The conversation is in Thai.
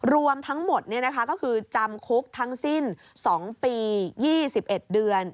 รวมทั้งหมดก็คือจำคุกทั้งสิ้น๒ปี๒๑เดือน